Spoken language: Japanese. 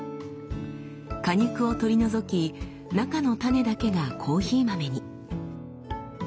果肉を取り除き中の種だけがコーヒー豆に。